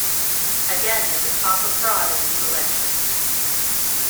Again there was talk of fraud in these elections.